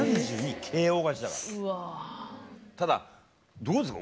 ただどうですか？